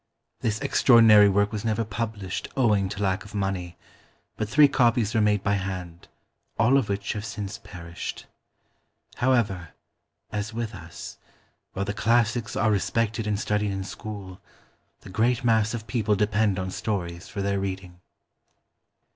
This extra ordinary work was never published owing to lack of money, but three copies were made by hand, all of which have since perished. However, as with us, while the classics are respected and studied in school, the great mass of people depend on stories for their reading.